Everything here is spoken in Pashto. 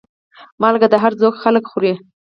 مالګه د هر ذوق خلک خوري.